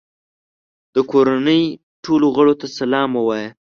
د کورنۍ ټولو غړو ته سلام ووایه.